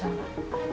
ya kamu benar